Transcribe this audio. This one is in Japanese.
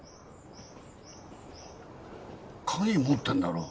鍵持ってんだろう。